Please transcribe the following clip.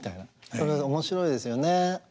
それ面白いですよね。